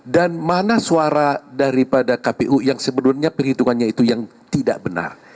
dan mana suara daripada kpu yang sebenarnya penghitungannya itu yang tidak benar